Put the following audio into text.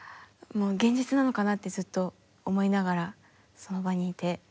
現実なのかなってずっと思いながらその場にいて。